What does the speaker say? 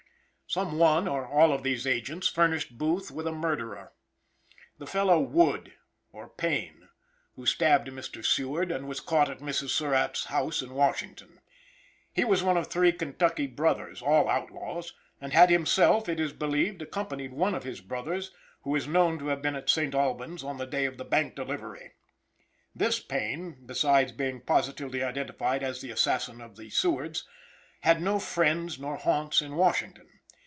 Some one or all of these agents furnished Booth with a murderer. The fellow Wood or Payne, who stabbed Mr. Seward and was caught at Mrs. Surratt's house in Washington. He was one of three Kentucky brothers, all outlaws, and had himself, it is believed, accompanied one of his brothers, who is known to have been at St. Albans on the day of the bank delivery. This Payne, besides being positively identified as the assassin of the Sewards, had no friends nor haunts in Washington.